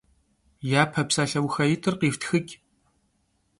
Yape psalheuxait'ır khiftxıç'.